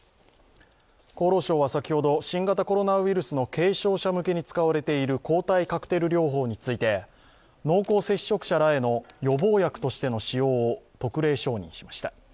厚労省は先ほど、新型コロナウイルスの軽症者向けに使われている抗体カクテル療法について濃厚接触者らへの予防薬としての使用を特例承認しました。